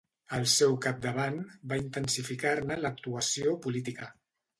Al seu capdavant, va intensificar-ne l'actuació política.